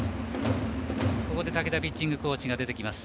ここで武田ピッチングコーチが出てきます。